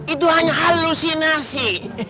itu hanya halusinasi